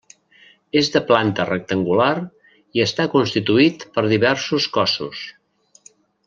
És de planta rectangular i està constituït per diversos cossos.